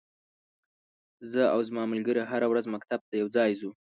زه او ځما ملګری هره ورځ مکتب ته یوځای زو.